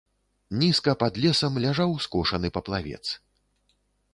Нізка пад лесам ляжаў скошаны паплавец.